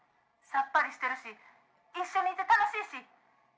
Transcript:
「さっぱりしてるし一緒にいて楽しいし」